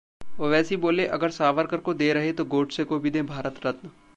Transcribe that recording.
ओवैसी बोले- अगर सावरकर को दे रहे तो गोडसे को भी दें भारत रत्न